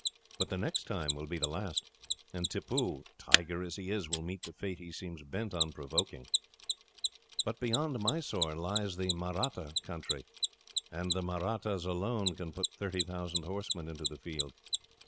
But the next time will be the last, and Tippoo, tiger as he is, will meet the fate he seems bent on provoking. "But beyond Mysore lies the Mahratta country, and the Mahrattis alone can put thirty thousand horsemen into the field.